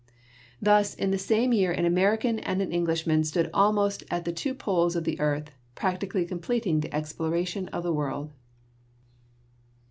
Thus in the same year an American and an Englishman stood almost at the two poles of the earth, practically completing the exploration of the world.